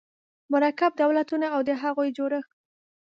مرکب دولتونه او د هغوی جوړښت